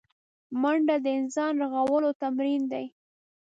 منډه د ځان رغولو تمرین دی